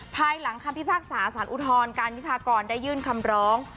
ภายหลังคำพิพากษาสารอุทรการวิพากรได้ยื่นคำร้อง